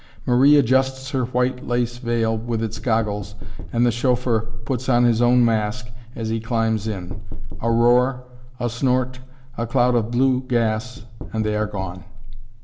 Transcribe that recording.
Marie adjusts her white lace veil, with its goggles, and the chauffeur puts on his own mask as he climbs in; a roar a snort, a cloud of blue gas, and they are gone!